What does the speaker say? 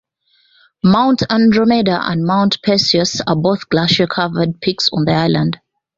Mount Andromeda and Mount Perseus are both glacier-covered peaks on the island.